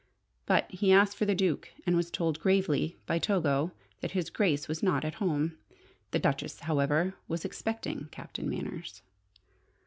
But he asked for the Duke, and was told gravely by Togo that His Grace was not at home. The Duchess, however, was expecting Captain Manners.